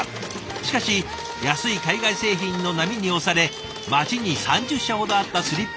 しかし安い海外製品の波に押され町に３０社ほどあったスリッパ